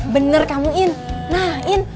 bener kamu in nah in